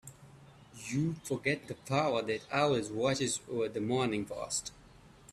You forget the power that always watches over the Morning Post.